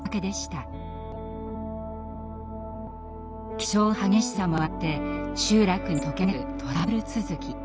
気性の激しさもあって集落に溶け込めずトラブル続き。